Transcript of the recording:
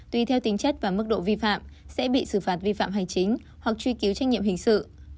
tùy theo tính chất và mức độ vi phạm sẽ bị xử phạt vi phạm hành chính hoặc truy cứu trách nhiệm hình sự